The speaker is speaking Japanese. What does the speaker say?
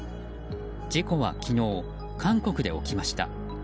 事故は昨日、韓国で起きました。